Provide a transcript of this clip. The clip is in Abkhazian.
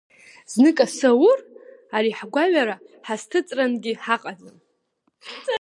Знык асы аур, ари ҳгәаҩара ҳазҭыҵрангьы ҳаҟаӡам.